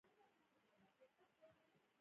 د مذاکره کوونکو ځانګړتیاوې او مهارتونه اغیز لري